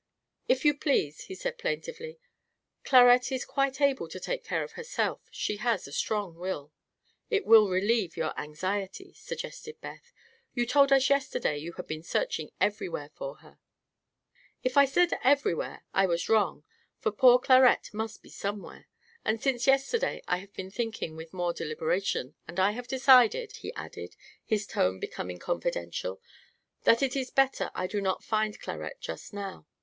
"If you please," said he plaintively, "Clarette is quite able to take care of herself. She has a strong will." "But if you know she is safe it will relieve your anxiety," suggested Beth. "You told us yesterday you had been searching everywhere for her." "If I said everywhere, I was wrong, for poor Clarette must be somewhere. And since yesterday I have been thinking with more deliberation, and I have decided," he added, his tone becoming confidential, "that it is better I do not find Clarette just now.